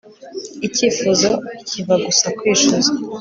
Icyifuzo kiva gusa kwicuza